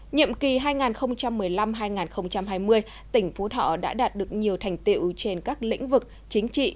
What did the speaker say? nhiệm kỳ hai nghìn một mươi năm hai nghìn hai mươi tỉnh phú thọ đã đạt được nhiều thành tiệu trên các lĩnh vực chính trị